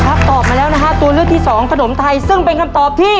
ตอบมาแล้วนะฮะตัวเลือกที่สองขนมไทยซึ่งเป็นคำตอบที่